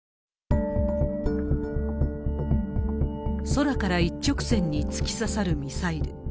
空から一直線に突き刺さるミサイル。